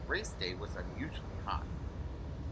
Race day was unusually hot.